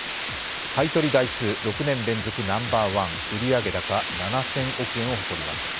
買い取り台数６年連続ナンバーワン売上高７０００億円を誇ります。